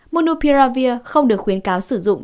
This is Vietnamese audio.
monopiravir không được khuyến cáo sử dụng